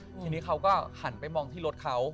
ทีนี้เขาก็หันไปมองที่รถเขา